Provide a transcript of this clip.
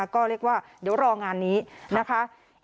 ก็เรียกว่าเดี๋ยวรองานนี้นะคะ